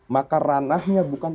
maka ranahnya bukan